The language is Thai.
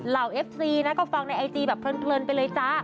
เอฟซีนะก็ฟังในไอจีแบบเพลินไปเลยจ้า